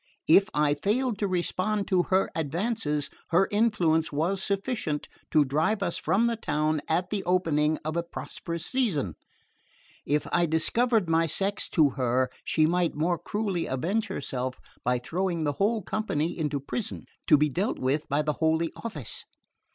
If I failed to respond to her advances, her influence was sufficient to drive us from the town at the opening of a prosperous season; if I discovered my sex to her, she might more cruelly avenge herself by throwing the whole company into prison, to be dealt with by the Holy Office.